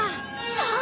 そう！